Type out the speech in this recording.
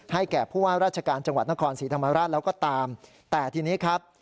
แก่ผู้ว่าราชการจังหวัดนครศรีธรรมราชแล้วก็ตามแต่ทีนี้ครับ